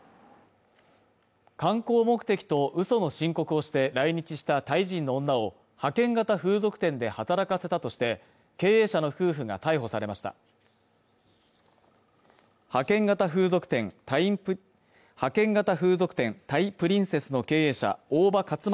観光目的と嘘の申告をして来日したタイ人の女を派遣型風俗店で働かせたとして経営者の夫婦が逮捕されました派遣型風俗店ＴＨＡＩＰｒｉｎｃｅｓｓの経営者大場勝成